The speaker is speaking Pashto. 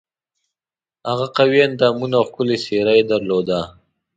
هغه قوي اندامونه او ښکلې څېره یې درلوده.